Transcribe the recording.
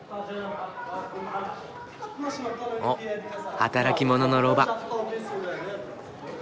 おっ働き者のロバ。